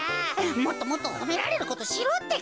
もっともっとほめられることしろってか。